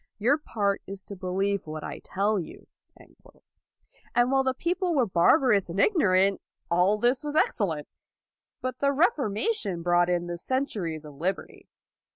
Your part is to believe what I tell you.'' And while the people were barbarous and ignorant, all this was excellent. But the Reformation brought in the cen turies of liberty.